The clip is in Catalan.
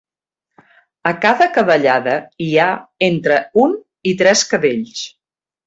A cada cadellada hi ha entre un i tres cadells.